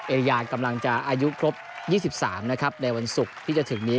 เอเรียนกำลังจะอายุครบยี่สิบสามนะครับในวันศุกร์ที่จะถึงนี้